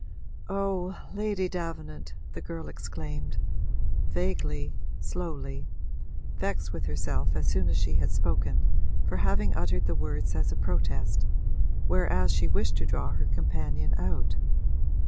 'Oh, Lady Davenant!' the girl exclaimed, vaguely, slowly, vexed with herself as soon as she had spoken for having uttered the words as a protest, whereas she wished to draw her companion out.